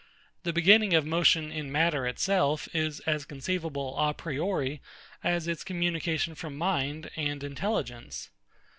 The beginning of motion in matter itself is as conceivable a priori as its communication from mind and intelligence.